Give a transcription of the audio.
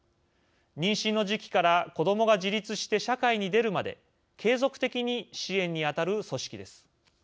妊娠の時期から子どもが自立して社会に出るまで継続的に支援に当たる組織です。